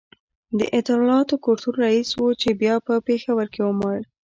د اطلاعاتو کلتور رئیس و چي بیا په پېښور کي ومړ